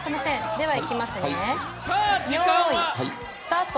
では、いきますね、用意スタート。